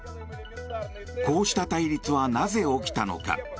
こうした対立はなぜ起きたのか。